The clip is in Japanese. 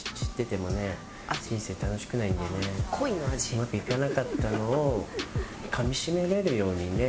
うまくいかなかったのをかみ締められるようにね。